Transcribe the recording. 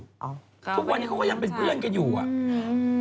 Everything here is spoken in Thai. ทุกวันนี้เขาก็ยังเป็นเพื่อนกันอยู่อ่ะอืม